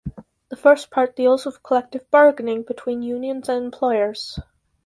The first part deals with collective bargaining between unions and employers.